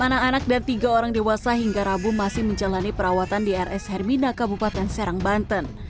anak anak dan tiga orang dewasa hingga rabu masih menjalani perawatan di rs hermina kabupaten serang banten